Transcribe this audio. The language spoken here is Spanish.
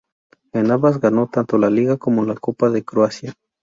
En ambas ganó tanto la liga como la Copa de Croacia.